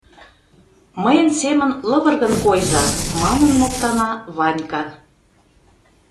— Мыйын семын лывыргын койза! — манын моктана Ванька.